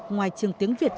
ngoài trường tiếng việt